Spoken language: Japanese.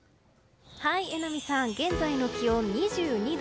榎並さん、現在の気温２２度。